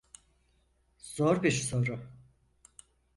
Zor bir soru.